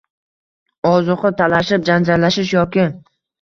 ozuqa talashib janjallashish yoki